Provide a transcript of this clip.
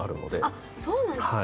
あっそうなんですか。